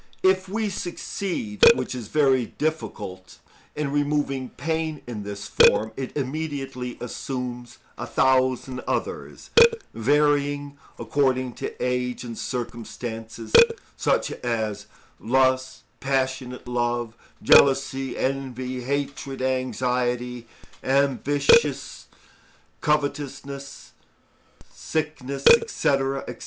If we succeed, which is very difficult, in removing pain in this form, it immediately assumes a thousand others, varying according to age and circumstances, such as lust, passionate love, jealousy, envy, hatred, anxiety, ambition, covetousness, sickness, &c., &c.